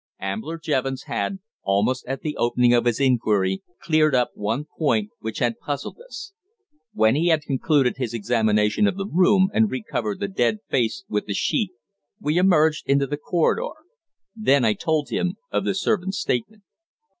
Ambler Jevons had, almost at the opening of his inquiry, cleared up one point which had puzzled us. When he had concluded his examination of the room and re covered the dead face with the sheet, we emerged into the corridor. Then I told him of the servant's statement.